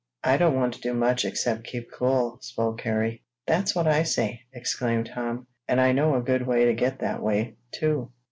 "I don't want to do much except keep cool," spoke Harry. "That's what I say!" exclaimed Tom. "And I know a good way to get that way, too."